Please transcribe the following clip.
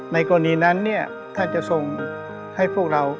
ในกรณีนั้นเนี่ยท่านจะทรงให้พวกเรา